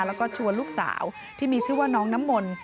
แล้วก็ชวนลูกสาวที่มีชื่อว่าน้องน้ำมนต์